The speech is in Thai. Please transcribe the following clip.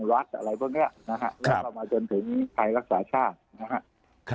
รัฐอะไรพวกนี้นะครับและมาที่นี้ใครรักษาชาตินะครับ